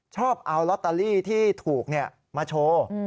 ชอบเอาลอตเตอรี่ที่ถูกมาโชว์